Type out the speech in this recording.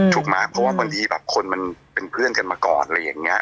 ถูกไหมเพราะว่าบางทีแบบคนมันเป็นเพื่อนกันมาก่อนอะไรอย่างนี้